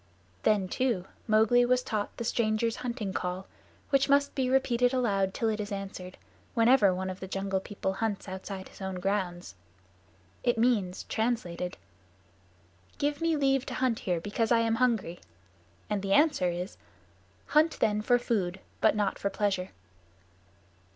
Then, too, Mowgli was taught the Strangers' Hunting Call, which must be repeated aloud till it is answered, whenever one of the Jungle People hunts outside his own grounds. It means, translated, "Give me leave to hunt here because I am hungry." And the answer is, "Hunt then for food, but not for pleasure."